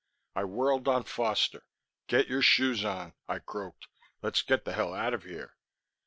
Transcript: I whirled on Foster. "Get your shoes on," I croked. "Let's get the hell out of here."